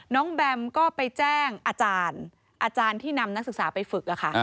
น้องแบมก็ไปแจ้งอาจารย์อาจารย์ที่นำนักศึกษาไปฝึก